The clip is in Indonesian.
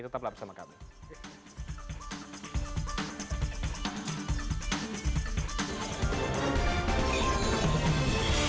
tetap lapar sama kami